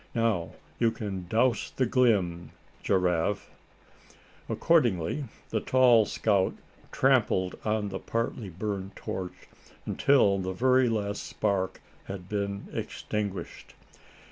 Now, you can douse the glim, Giraffe." Accordingly the tall scout trampled on the partly burned torch until the very last spark had been extinguished.